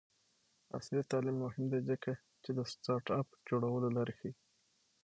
عصري تعلیم مهم دی ځکه چې د سټارټ اپ جوړولو لارې ښيي.